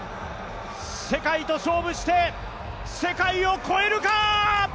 世界と勝負して、世界をこえるか！